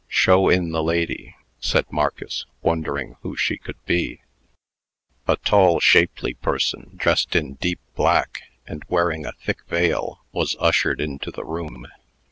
"Show in the lady," said Marcus, wondering who she could be. A tall, shapely person, dressed in deep black, and wearing a thick veil, was ushered into the room.